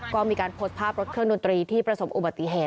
ก็มีการโพสต์ภาพรถเครื่องดนตรีที่ประสบอุบัติเหตุ